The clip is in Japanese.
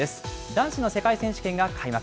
男子の世界選手権が開幕。